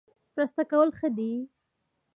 مرسته کول ښه دي